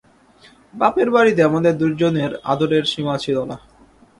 বাপের বাড়িতে আমাদের দুইজনের আদরের সীমা ছিল না।